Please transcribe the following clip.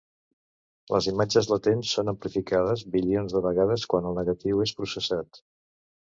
Les imatges latents són amplificades bilions de vegades quan el negatiu és processat.